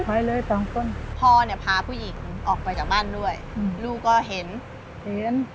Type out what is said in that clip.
ไปเลยสองคนพ่อเนี่ยพาผู้หญิงออกไปจากบ้านด้วยอืมลูกก็เห็นเห็น